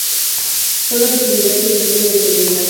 Solo recibirá actualizaciones de seguridad.